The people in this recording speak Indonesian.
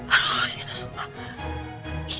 aduh si anak sumpah